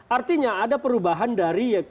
artinya ada perubahan dari